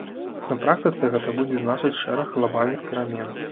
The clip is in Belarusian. На практыцы гэта будзе значыць шэраг глабальных перамен.